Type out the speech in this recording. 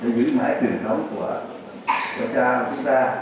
để giữ mãi truyền thống của cha của chúng ta